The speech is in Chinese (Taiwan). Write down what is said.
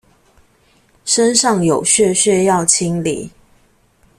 身上有屑屑要清理